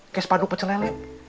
kayak sepadu pecelen